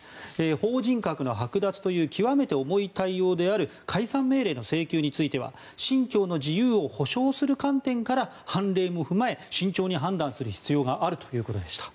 法人格の剥奪という極めて重い対応である解散命令の請求については信教の自由を保障する観点から判例も踏まえ、慎重に判断する必要があるということでした。